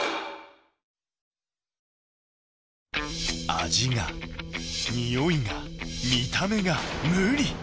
味がにおいが見た目が無理！